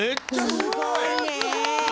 すごいね。